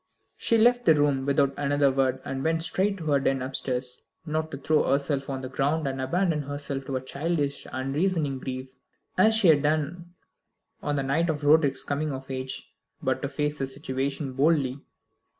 She left the room without another word, and went straight to her den upstairs, not to throw herself on the ground, and abandon herself to a childish unreasoning grief, as she had done on the night of Roderick's coming of age, but to face the situation boldly.